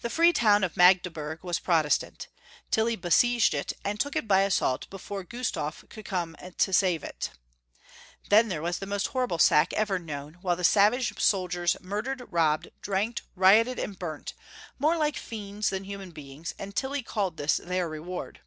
The free town of Magdeburg was Protestant. TiDy besieged it, and took it by assault before Gustaf could come to save it. Then there was the most horrible sack ever known, while the savage soldiers murdered, robbed, drank, rioted, and burnt. 344 Young Folks' History of Germany. more like fiends than human beings, and Tilly called this their reward.